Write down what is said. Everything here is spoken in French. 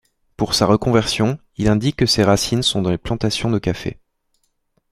Pour sa reconversion, il indique que ses racines sont dans les plantations de café.